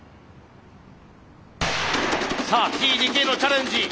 さあＴ・ＤＫのチャレンジ。